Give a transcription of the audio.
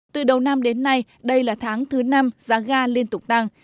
từ đầu năm đến nay đây là tháng thứ năm giá ga liên tục tăng